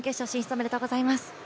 おめでとうございます。